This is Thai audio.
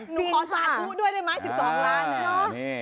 หนูขอสาธุด้วยได้ไหม๑๒ล้านนะ